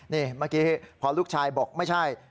นี่เมื่อกี้พอลูกชายบอกไม่ใช่